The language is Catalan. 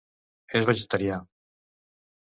És vegetarià.